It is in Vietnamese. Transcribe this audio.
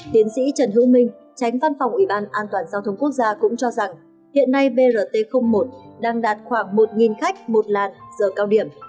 tiến sĩ trần hữu minh tránh văn phòng ủy ban an toàn giao thông quốc gia cũng cho rằng hiện nay brt một đang đạt khoảng một khách một làn giờ cao điểm